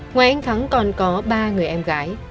ngoài anh thắng còn có ba người em gái